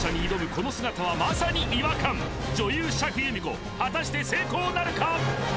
この姿はまさに違和感女優釈由美子果たして成功なるか？